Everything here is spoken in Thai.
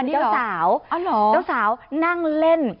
อันที่หรืออ่าหร่อครับเจ้าสาวนั่งเล่น